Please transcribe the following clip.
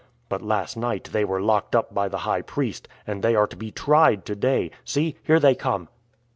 But last night they were locked up by the High Priest, and they are to be tried to day. See, there they come